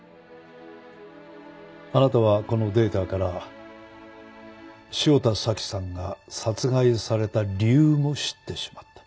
あなたはこのデータから汐田早紀さんが殺害された理由も知ってしまった。